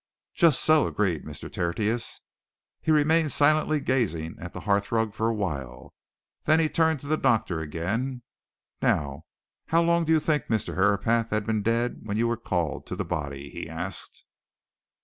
"Just so," agreed Mr. Tertius. He remained silently gazing at the hearthrug for a while; then he turned to the doctor again. "Now, how long do you think Mr. Herapath had been dead when you were called to the body?" he asked.